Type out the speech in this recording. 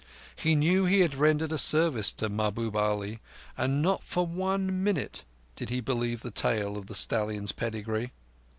He knew he had rendered a service to Mahbub Ali, and not for one little minute did he believe the tale of the stallion's pedigree.